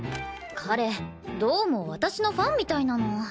彼どうも私のファンみたいなの。